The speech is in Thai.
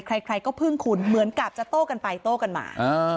ใครก็พึ่งคุณเหมือนกับจะโต้กันไปโต้กันมา